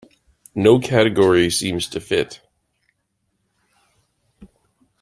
No category seems to fit.